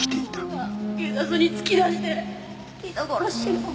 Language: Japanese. あの女警察に突き出して。人殺しよ